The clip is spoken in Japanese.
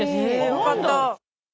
よかった。